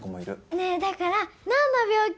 ねえだからなんの病気？